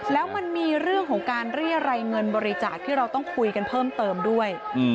แล้วมันมีเรื่องของการเรียรัยเงินบริจาคที่เราต้องคุยกันเพิ่มเติมด้วย